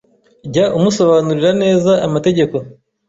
Jya umusobanurira neza amategeko